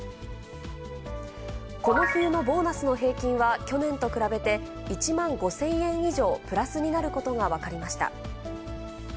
この冬のボーナスの平均は、去年と比べて１万５０００円以上プラスになることがわかりました。